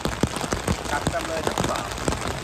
จากจำเลยทั้งสาม